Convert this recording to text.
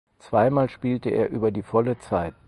Zweimal spielte er über die volle Zeit.